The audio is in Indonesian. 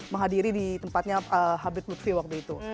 menghadiri di tempatnya habib lutfi waktu itu